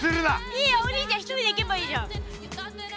いいよお兄ちゃん１人で行けばいいじゃん。